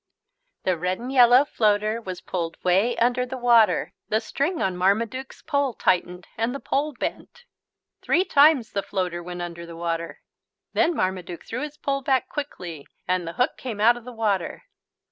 The red and yellow floater was pulled way under the water. The string on Marmaduke's pole tightened and the pole bent. Three times the floater went under the water. Then Marmaduke threw his pole back quickly and the hook came out of the water.